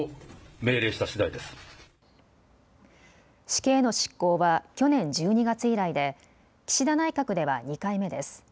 死刑の執行は去年１２月以来で岸田内閣では２回目です。